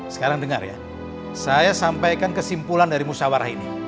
sekarang dengar ya saya sampaikan kesimpulan dari musyawarah ini